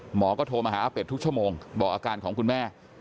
หมอก็โทรมาหาอาเป็ดทุกชั่วโมงบอกอาการของคุณแม่